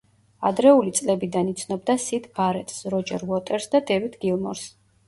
ადრეული წლებიდან იცნობდა სიდ ბარეტს, როჯერ უოტერსს და დევიდ გილმორს.